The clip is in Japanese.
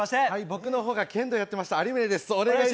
僕の方が剣道やってました有宗です。